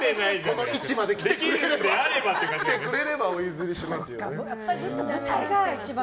この位置まで来てくれればお譲りしますよね。